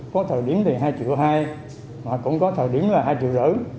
có thờ điểm là hai triệu hai mà cũng có thờ điểm là hai triệu rỡ